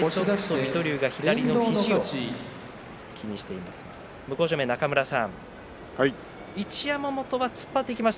水戸龍が左の肘を触っています。